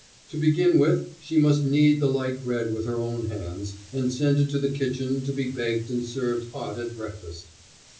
To begin with she must knead the light bread with her own hands and send it to the kitchen to be baked and served hot at breakfast.